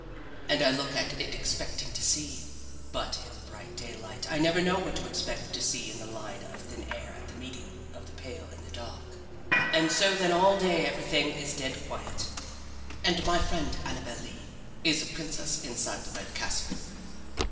And I look at it expecting to see But in the bright daylight I never know what I expect to see in the line of thin air at the meeting of the pale and the dark. And so then all day everything is dead quiet, and my friend Annabel Lee is a princess inside the red castle.